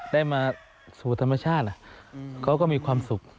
ได้มาสู่ธรรมชาติเขาก็มีความสุข